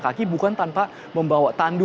kaki bukan tanpa membawa tandu